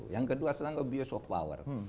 yang kedua sekarang abuse of power